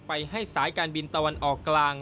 ไปให้สายการบินตะวันออกกลาง